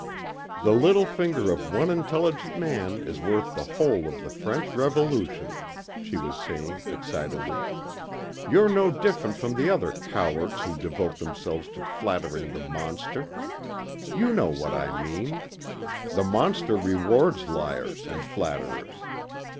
"The little finger of one intelligent man is worth the whole of the French revolution," she was saying excitedly. "You're no different from the other cowards who devote themselves to flattering the monster. You know what I mean. The monster rewards liars and flatterers.